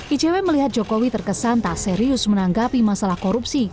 icw melihat jokowi terkesan tak serius menanggapi masalah korupsi